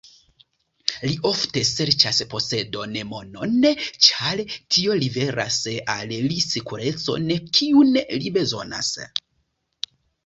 Li ofte serĉas posedon, monon ĉar tio liveras al li sekurecon kiun li bezonas.